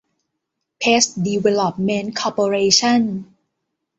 เพซ ดีเวลลอปเมนท์ คอร์ปอเรชั่น